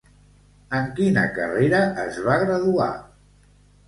En quina carrera es va graduar?